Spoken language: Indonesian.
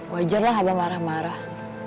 wajarlah abah marah marah